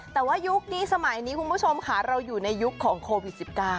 แต่ว่ายุคนี้สมัยนี้คุณผู้ชมค่ะเราอยู่ในยุคของโควิด๑๙